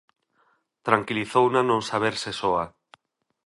Tranquilizouna non saberse soa.